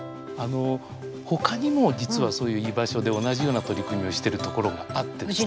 ほかにも実はそういう居場所で同じような取り組みをしてるところがあってですね。